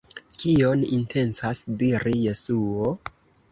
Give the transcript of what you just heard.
Kion intencas diri Jesuo?